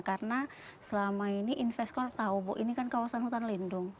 karena selama ini investor tahu bu ini kan kawasan hutan lindung